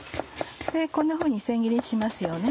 こんなふうに千切りにします。